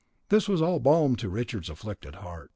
All this was balm to Ricardo's afflicted heart.